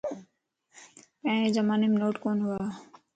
پھرين زمانيم نوٽ ڪون ھوا